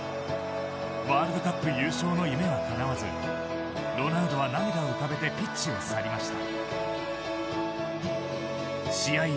ワールドカップ優勝の夢はかなわずロナウドは涙を浮かべてピッチを去りました。